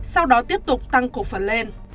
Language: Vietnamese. sau đó tiếp tục tăng cổ phần